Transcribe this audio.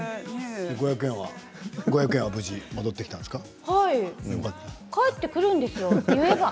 ５００円は無事戻ってきたんですか？